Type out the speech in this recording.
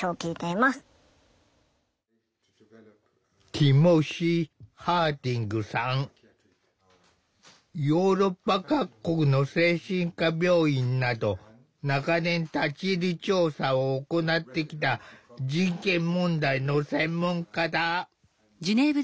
国連は精神障害がある人に対するヨーロッパ各国の精神科病院など長年立ち入り調査を行ってきた人権問題の専門家だ。